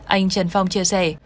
anh trần phong chia sẻ